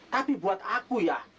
tapi buat aku ya